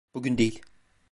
Bugün değil.